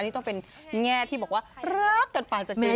อันนี้ต้องเป็นแง่ที่บอกว่ารักกันป่าวจากเกมกิน